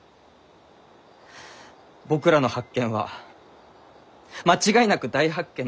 僕らの発見は間違いなく大発見だった。